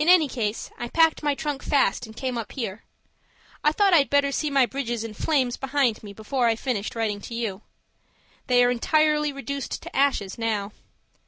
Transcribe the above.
In any case, I packed my trunk fast and came up here. I thought I'd better see my bridges in flames behind me before I finished writing to you. They are entirely reduced to ashes now.